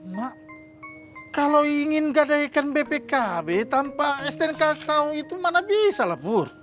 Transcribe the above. mak kalau ingin gadaikan bpkb tanpa stnk kau itu mana bisa lah pur